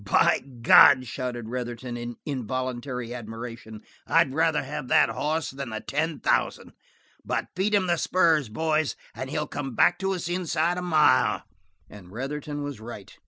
"By God," shouted Retherton in involuntary admonition, "I'd rather have that hoss than the ten thousand. But feed 'em the spurs, boys, and he'll come back to us inside a mile." And Retherton was right.